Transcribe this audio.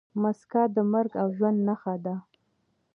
مځکه د مرګ او ژوند نښه ده.